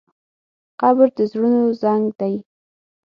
قبر د زړونو زنګ دی.